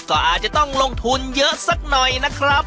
ก็อาจจะต้องลงทุนเยอะสักหน่อยนะครับ